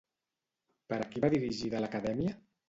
Per a qui va dirigida l'acadèmia?